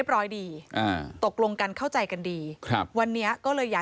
ภาพกลางสายตาของคนที่จะมองเราน่ะตอนนี้นะคะ